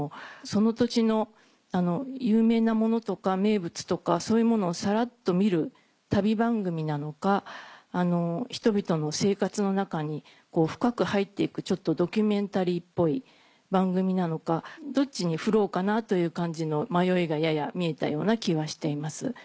その土地の有名なものとか名物とかそういうものをさらっと見る旅番組なのか人々の生活の中に深く入って行くちょっとドキュメンタリーっぽい番組なのかどっちに振ろうかなという感じの迷いがやや見えたような気はしています。